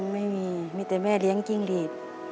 ไม่มีมีแต่แม่เลี้ยงจิ้งหลีด